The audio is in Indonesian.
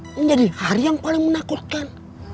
menjadi hari yang paling menakutkan